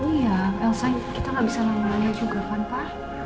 iya elsa kita gak bisa lama lama juga fanta